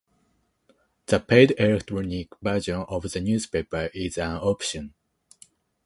The paid electronic version of the newspaper is an option.